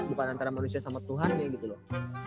bukan antara manusia sama tuhannya gitu loh